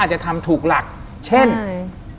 คุณลุงกับคุณป้าสองคนนี้เป็นใคร